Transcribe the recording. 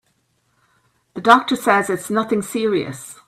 The doctor says it's nothing serious.